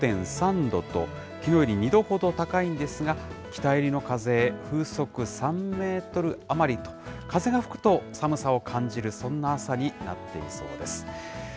５．３度と、きのうより２度ほど高いんですが、北寄りの風、風速３メートル余りと、風が吹くと寒さを感じる、そんな朝になっていそうです。